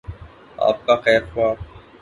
آپ کا خیرخواہ۔